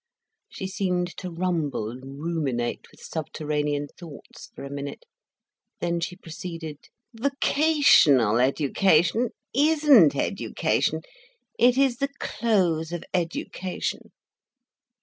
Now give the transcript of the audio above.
She seemed to rumble and ruminate with subterranean thoughts for a minute, then she proceeded: "Vocational education isn't education, it is the close of education."